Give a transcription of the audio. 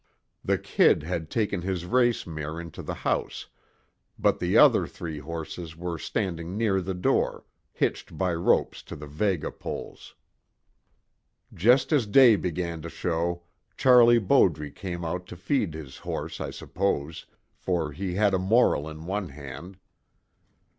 The "Kid" had taken his race mare into the house, but the other three horses were standing near the door, hitched by ropes to the vega poles. Just as day began to show, Charlie Bowdre came out to feed his horse, I suppose, for he had a moral in one hand.